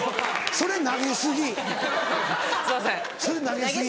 それ投げ過ぎ。